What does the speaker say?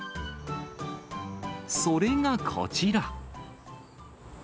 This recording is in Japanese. それがこちら。